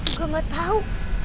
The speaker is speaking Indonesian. gua gak tau